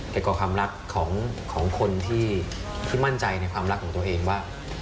เกี่ยวกับความรักของคนที่มั่นใจในความรักของตัวเองว่า